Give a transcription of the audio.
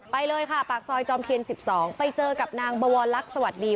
ไปเลยค่ะปากซอยจอมเทียน๑๒ไปเจอกับนางบวรลักษณ์สวัสดี